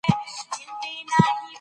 د بهرنیانو په لاسوهنه هېواد نه ابادېږي.